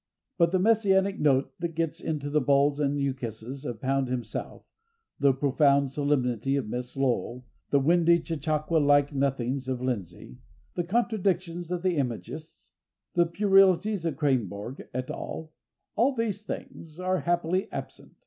But the messianic note that gets into the bulls and ukases of Pound himself, the profound solemnity of Miss Lowell, the windy chautauqua like nothings of Lindsay, the contradictions of the Imagists, the puerilities of Kreymborg et al—all these things are happily absent.